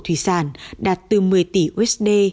thủy sản đạt từ một mươi tỷ usd